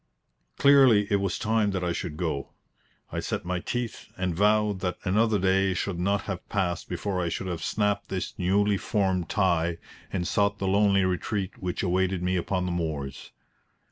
Clearly, it was time that I should go. I set my teeth and vowed that another day should not have passed before I should have snapped this newly formed tie and sought the lonely retreat which awaited me upon the moors.